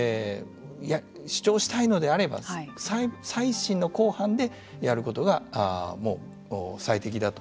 主張したいのであれば再審の公判でやることがもう最適だと。